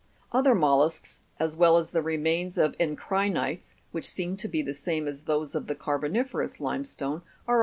Other mollusks, as well as the remains of encri'nites, which seem to be the same as those of the carboni'ferous limestone, are also found.